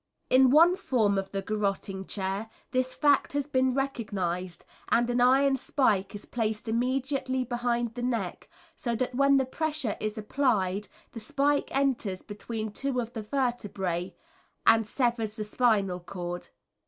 In one form of the garotting chair this fact has been recognised, and an iron spike is placed immediately behind the neck, so that when the pressure is applied the spike enters between two of the vertebræ and severs the spinal cord.